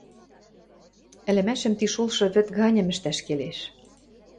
— ӹлӹмӓшӹм ти шолшы вӹд ганьым ӹштӓш келеш.